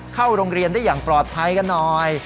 เข้าโรงเรียนได้อย่างปลอดภัยกันหน่อย